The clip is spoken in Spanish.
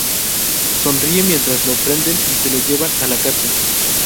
Sonríe mientras lo prenden y se lo llevan a la cárcel.